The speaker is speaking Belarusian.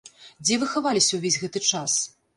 Дзе вы хаваліся ўвесь гэты час?